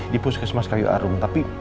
di puskesmas kayu arum